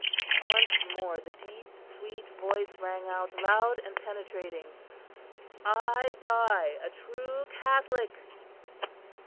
Once more the deep sweet voice rang out, loud and penetrating: "I die a true Catholic...."